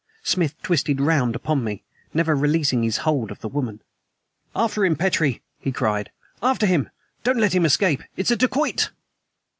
Smith twisted round upon me, never releasing his hold of the woman. "After him, Petrie!" he cried. "After him. Don't let him escape. It's a dacoit!"